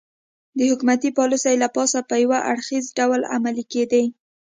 د حکومت پالیسۍ له پاسه په یو اړخیز ډول عملي کېدې